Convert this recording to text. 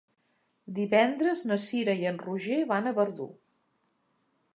Divendres na Cira i en Roger van a Verdú.